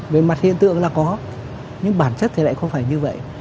về mặt hiện tượng là có nhưng bản chất thì lại không phải như vậy